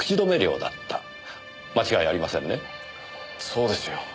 そうですよ。